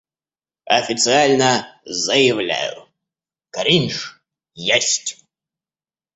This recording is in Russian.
Официально заявляю, кринж есть!